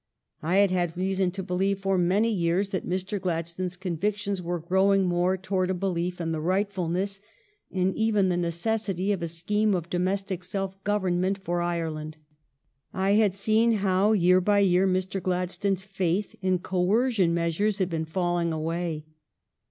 I had had reason to believe for many years that Mr. Gladstone's convictions were growing more toward a belief in the rightfulness and even the necessity of a scheme of domestic self government for Ire land. I had seen how, year by year, Mr. Gladstone s faith in coercion measures had been falling away.